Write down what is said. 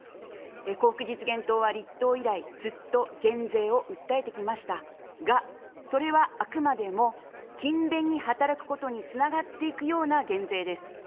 幸福実現党は立党以来、ずっと減税を訴えてきましたが、それはあくまでも勤勉に働くことにつながっていくような減税です。